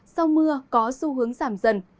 sau mưa có xu hướng giảm dần